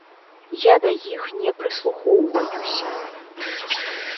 Я да іх не прыслухоўваюся.